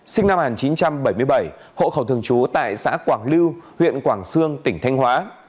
sinh năm một nghìn chín trăm bảy mươi bảy hộ khẩu thường trú tại xã quảng lưu huyện quảng sương tỉnh thanh hóa